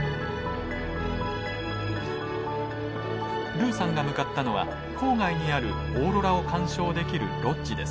ルーさんが向かったのは郊外にあるオーロラを観賞できるロッジです。